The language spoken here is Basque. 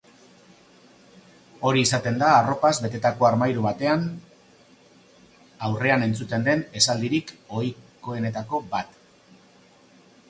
Hori izaten da arropaz betetako armairu baten aurrean entzuten den esaldirik ohikoenetako bat.